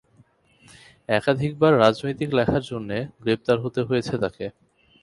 একাধিকবার রাজনৈতিক লেখার জন্যে গ্রেপ্তার হতে হয়েছে তাকে।